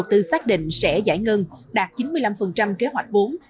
các chủ đầu tư xác định sẽ giải ngân đạt chín mươi năm kế hoạch vốn